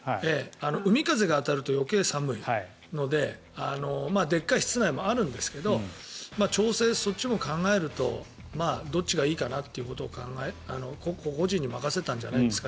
海風が当たると余計に寒いのででっかい室内もあるんですけど調整もそっちを考えるとどっちがいいかなということを個々人に任せたんじゃないですか